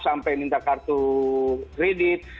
sampai minta kartu kredit